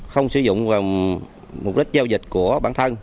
không sử dụng mục đích giao dịch của bản thân